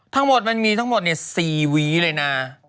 ทั้งหมดมันมี๔วีเลยนะ